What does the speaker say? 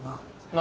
何？